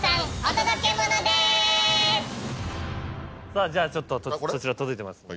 さぁじゃあちょっとそちら届いてます。